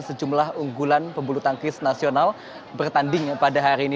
sejumlah unggulan pembulu tangkis nasional bertanding pada hari ini